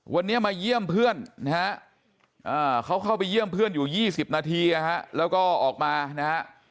วันนี้มาเยี่ยมเพื่อนนะฮะเขาเข้าไปเยี่ยมเพื่อนอยู่๒๐นาทีแล้วก็ออกมานะฮะ